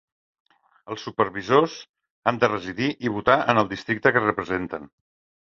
Els supervisors han de residir i votar en el districte que representen.